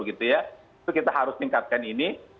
itu kita harus tingkatkan ini